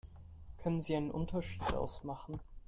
Können Sie einen Unterschied ausmachen?